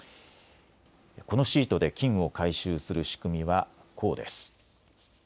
このシートで金を回収する仕組みはこうです。